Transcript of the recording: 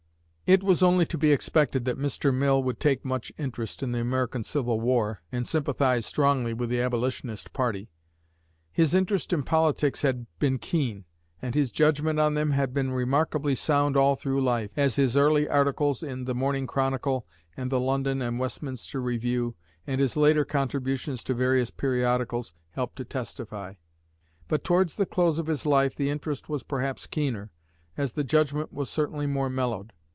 It was only to be expected that Mr. Mill would take much interest in the American civil war, and sympathize strongly with the Abolitionist party. His interest in politics had been keen, and his judgment on them had been remarkably sound all through life, as his early articles in "The Morning Chronicle" and "The London and Westminster Review," and his later contributions to various periodicals, helped to testify; but towards the close of his life the interest was perhaps keener, as the judgment was certainly more mellowed.